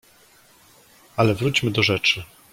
"Ale wróćmy do rzeczy."